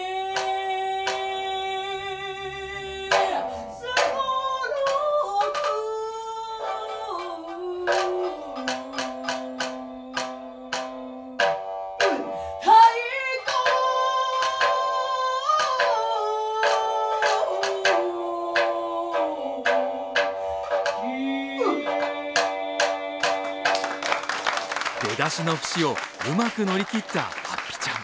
出だしの節をうまく乗り切ったはっぴちゃん。。